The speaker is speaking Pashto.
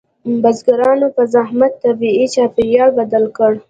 بزګرانو په زحمت طبیعي چاپیریال بدل کړ.